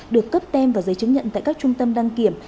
được cấp tem và giấy chứng nhận tại các trung tâm đăng kiểm